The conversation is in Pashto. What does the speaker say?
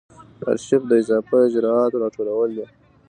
آرشیف د اضافه اجرااتو راټولول دي.